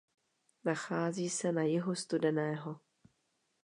Nachází se na jihu Studeného.